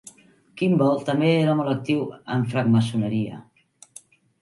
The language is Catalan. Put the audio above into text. Kimball també era molt actiu en francmaçoneria.